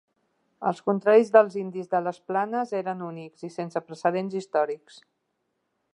Els contraris dels indis de les planes eren únics i sense precedents històrics.